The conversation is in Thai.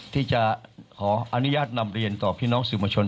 ที่จะขออนุญาตนำเรียนต่อพี่น้องสื่อมวลชน